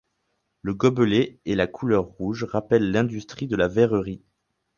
Le gobelet et la couleur rouge rappellent l'industrie de la verrerie.